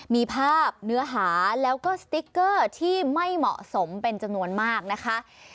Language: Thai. มีภาพเนื้อหาแล้วก็สติ๊กเกอร์ที่ไม่เหมาะสมเป็นจำนวนมากนะคะ